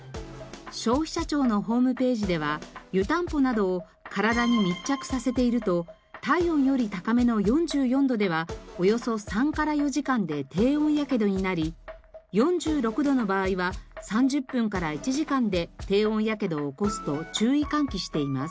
消費者庁のホームページではゆたんぽなどを体に密着させていると体温より高めの４４度ではおよそ３から４時間で低温やけどになり４６度の場合は３０分から１時間で低温やけどを起こすと注意喚起しています。